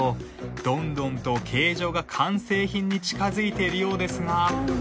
どんどんと形状が完成品に近づいているようですが。